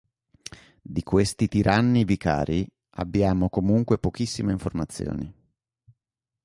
Di questi tiranni vicari abbiamo comunque pochissime informazioni.